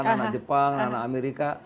anak jepang anak amerika